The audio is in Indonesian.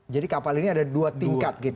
jadi kapal ini ada dua tingkat gitu